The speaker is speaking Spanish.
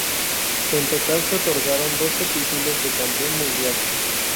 En total se otorgaron doce títulos de campeón mundial.